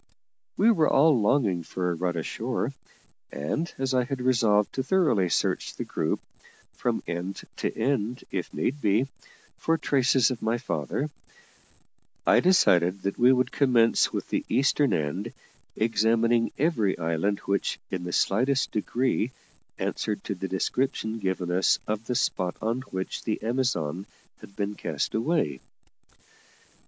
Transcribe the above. We were all longing for a run ashore; and, as I had resolved to thoroughly search the group, from end to end if need be, for traces of my father, I decided that we would commence with the eastern end, examining every island which in the slightest degree answered to the description given us of the spot on which the Amazon had been cast away.